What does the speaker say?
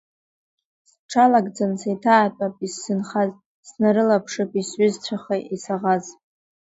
Сҽалагӡан сеиҭаатәап исзынхаз, снарылаԥшып исҩызцәаха исаӷаз…